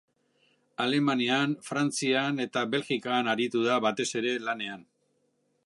Alemanian, Frantzian eta Belgikan aritu da batez ere lanean.